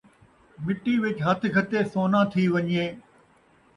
مٹی وِچ ہتھ گھتے سوناں تھی ون٘ڄے